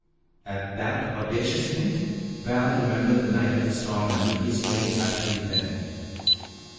At that audacious hint, Val remembered the night of the storm and Ricky's strange attitude then.